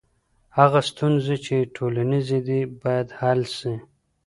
هغه ستونزي چي ټولنیزي دي باید حل سي.